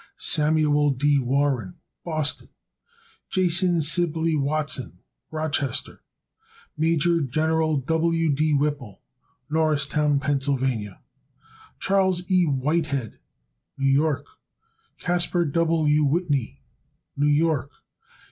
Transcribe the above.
Samuel D. Warren, Boston, Mass. Jas. Sibley Watson, Rochester, N. Y. Maj. Gen. W. D. Whipple, Norristown, Pa. Chas. E. Whitehead, New York. Caspar W. Whitney, New York.